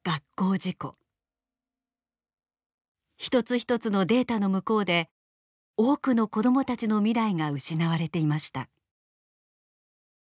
一つ一つのデータの向こうで多くの子どもたちの未来が失われていました。